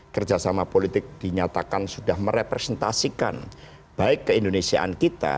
kerjasama politik dinyatakan sudah merepresentasikan baik keindonesiaan kita